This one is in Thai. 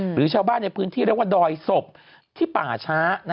หรือชาวบ้านในพื้นที่เรียกว่าดอยศพที่ป่าช้า